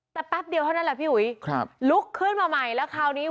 แต่แป๊บเดียวเท่านั้นแหละพี่หุ้ยลุกขึ้นมาใหม่แล้ว